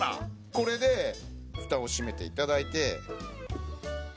これでフタを閉めて頂いて。